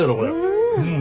うん。